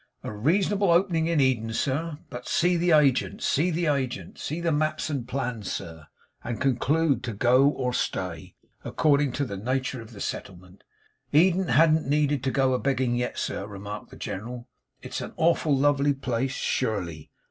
'A reasonable opening in Eden, sir! But see the agent, see the agent; see the maps and plans, sir; and conclude to go or stay, according to the natur' of the settlement. Eden hadn't need to go a begging yet, sir,' remarked the General. 'It is an awful lovely place, sure ly.